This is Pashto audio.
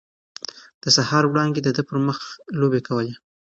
د سهار وړانګې د ده پر مخ لوبې کولې.